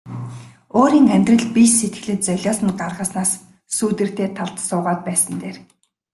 Өөрийн амьдрал бие сэтгэлээ золиосонд гаргаснаас сүүдэртэй талд суугаад байсан нь дээр.